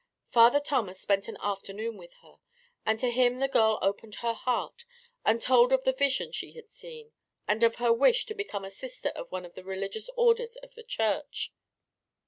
Father Thomas spent an afternoon with her, and to him the girl opened her heart and told of the vision she had seen and of her wish to become a sister of one of the religious orders of the church.